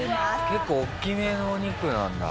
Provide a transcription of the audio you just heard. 結構大きめのお肉なんだ。